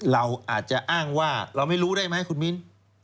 เราอาจจะอ้างว่าเราไม่รู้ได้ไหมคุณมิ้น